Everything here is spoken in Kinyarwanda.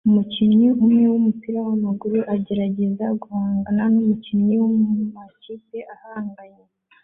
Umukinnyi umwe wumupira wamaguru agerageza guhangana numukinnyi mumakipe ahanganye